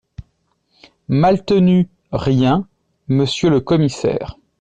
Maltenu Rien, Monsieur le commissaire…